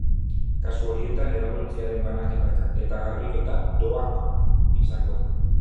Kasu horietan, edalontziaren banaketa eta garbiketa doakoa izango da.